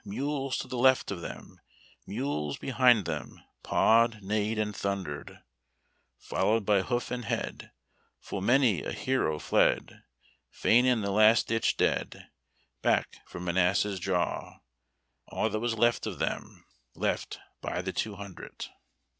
Mules to the left of them, Mules behind them Pawed, neighed, and thundered; Followed by hoof and head Full many a hero fled. Fain in the last ditch dead, Back from an ass's jaw All that was left of them, —' Left by the two hundred. THE ARMY MULE.